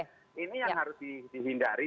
jadi ini yang harus dihindari